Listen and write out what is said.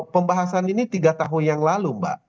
pembahasan ini tiga tahun yang lalu mbak